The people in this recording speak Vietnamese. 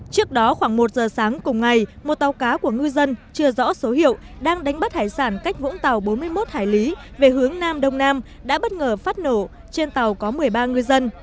trước đó khoảng một giờ sáng cùng ngày một tàu cá của ngư dân chưa rõ số hiệu đang đánh bắt hải sản cách vũng tàu bốn mươi một hải lý về hướng nam đông nam đã bất ngờ phát nổ trên tàu có một mươi ba ngư dân